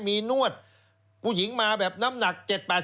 มีนวดผู้หญิงมาแบบน้ำหนัก๗๘